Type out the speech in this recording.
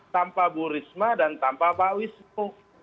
tanpa bu risma dan tanpa pak wisnu